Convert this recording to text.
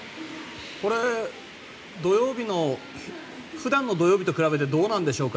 普段の土曜日と比べてどうなんでしょうか。